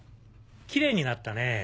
きれいになったねぇ。